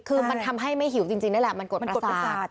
คือมันทำให้ไม่หิวจริงนั่นแหละมันกดอากาศ